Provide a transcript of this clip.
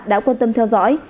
đã quan tâm theo dõi